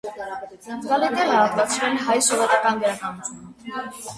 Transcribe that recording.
Զգալի տեղ է հատկացրել հայ սովետական գրականությանը։